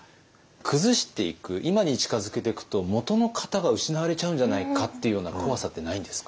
崩していく今に近づけてくともとの型が失われちゃうんじゃないかっていうような怖さってないんですか？